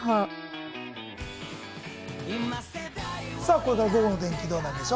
これから午後の天気、どうなんでしょう。